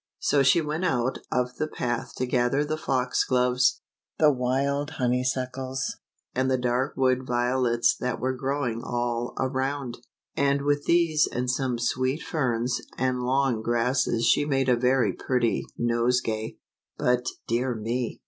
So she went out of the path to gather the fox gloves, the wild honey suckles, and the dark wood Holets that were growing all around ; and with these and some sweet ferns and long grasses she made a very pretty nosegay. But dear me!